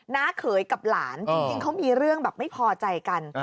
เขยกับหลานจริงเขามีเรื่องแบบไม่พอใจกัน